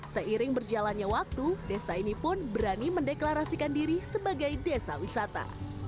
seiring berjalannya waktu desa ini pun berani mendeklarasikan diri sebagai desa wisata